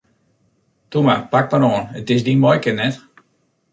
Toe mar, pak mar oan, it is dyn muoike net!